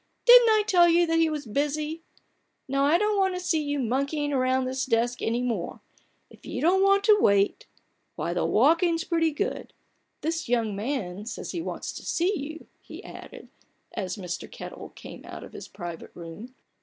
"Didn't I tell you that he was busy? Now, I don't want to see you monkeying round this desk any more ! If you don't want to wait, why 28 A BOOK OF BARGAINS. the walking's pretty good !■ This young man says he wants to see you," he added, as Mr, Kettel came out of his private room.